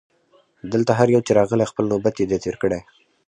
دلته هر یو چي راغلی خپل نوبت یې دی تېر کړی